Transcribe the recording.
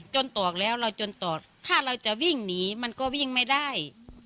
ตอกแล้วเราจนตอดถ้าเราจะวิ่งหนีมันก็วิ่งไม่ได้